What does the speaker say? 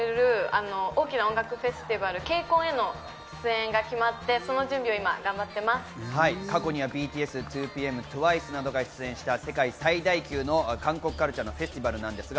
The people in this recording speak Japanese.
来月に韓国で開催される大きな音楽フェスティバルＫＣＯＮへの出演が決まって、その準過去にＢＴＳ、２ＰＭ、ＴＷＩＣＥなどが出演した世界最大級の韓国カルチャーのフェスティバルです。